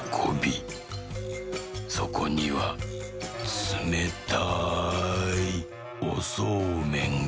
そこにはつめたいおそうめんが」。